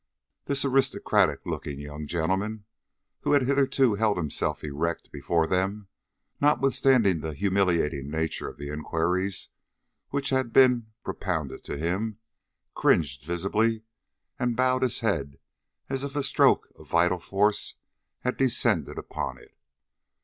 This aristocratic looking young gentleman who had hitherto held himself erect before them, notwithstanding the humiliating nature of the inquiries which had been propounded to him, cringed visibly and bowed his head as if a stroke of vital force had descended upon it.